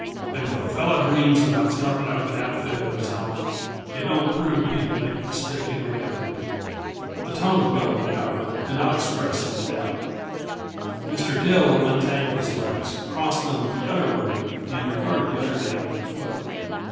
And if a fellow dreams about starting up an outfit of his own, it don't prove he'd make it stick in reality." The tone of Billy, however, did not express any doubt. Mr. Dill untangled his legs, crossed them the other way and regarded the other dangling foot.